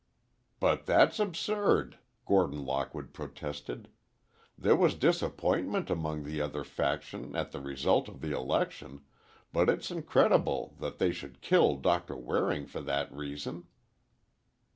"But that's absurd," Gordon Lockwood protested; "there was disappointment among the other faction at the result of the election, but it's incredible that they should kill Doctor Waring for that reason!"